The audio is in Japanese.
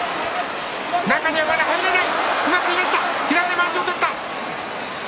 中にまだ入れない。